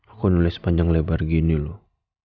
aku nulis panjang lebar gini loh